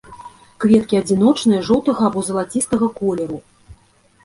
Кветкі адзіночныя, жоўтага або залацістага колеру.